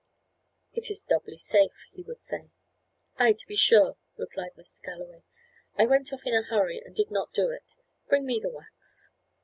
"It is doubly safe," he would say. "Ay, to be sure," replied Mr. Galloway. "I went off in a hurry, and did not do it. Bring me the wax."